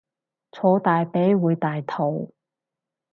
坐大髀會大肚